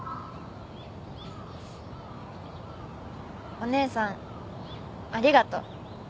お姉さんありがと。